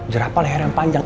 jerapa leher yang panjang